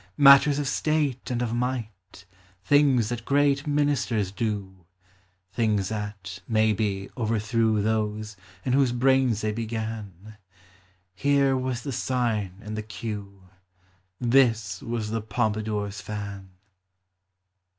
Matters of state and of might, Things that great ministers do ; Things that, maybe, overthrew Those in whose brains they began ;— Here was the sign and the cue, — This was the Pompadour's fan